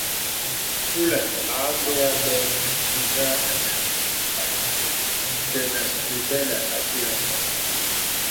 Kūlə̀ a bə̀ a bə̀ zə̄ə̄ tenə̀ ìbɛlə̀ àtirə̀.